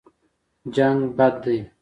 جنګ بد دی.